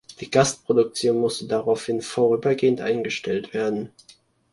Die Gasproduktion musste daraufhin vorübergehend eingestellt werden.